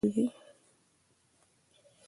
د غاښونو برس کول ضروري دي۔